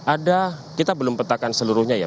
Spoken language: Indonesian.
ada kita belum petakan seluruhnya ya